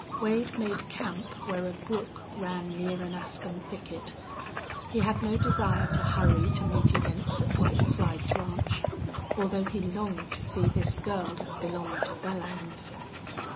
Wade made camp where a brook ran near an aspen thicket. He had no desire to hurry to meet events at White Slides Ranch, although he longed to see this girl that belonged to Belllounds.